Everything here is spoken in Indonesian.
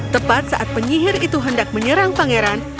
tepat saat penyihir itu hendak menyerang pangeran